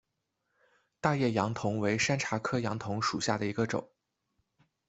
大叶杨桐为山茶科杨桐属下的一个种。